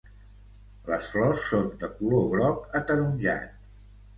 Les flors són de color groc ataronjat.